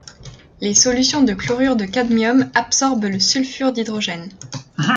Les solutions de chlorure de cadmium absorbent le sulfure d'hydrogène.